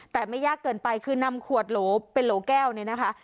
แต่ไม่ยากเกินไปคือนำขวดโหลเป็นโหลแก้วเนี่ยนะคะ